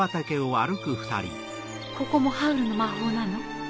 ここもハウルの魔法なの？